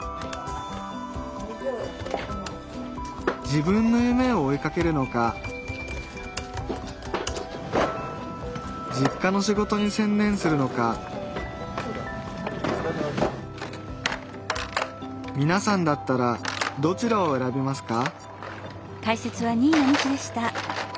自分の夢を追いかけるのか実家の仕事に専念するのかみなさんだったらどちらを選びますか？